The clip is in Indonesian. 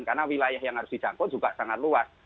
karena wilayah yang harus didangkut juga sangat luas